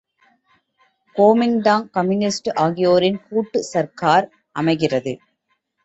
Kuomintang communist ஆகியோரின் கூட்டு சர்க்கார் அமைகிறது.